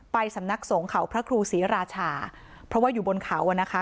สำนักสงฆ์เขาพระครูศรีราชาเพราะว่าอยู่บนเขาอ่ะนะคะ